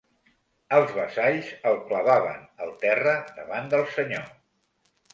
Els vassalls el clavaven al terra davant del senyor.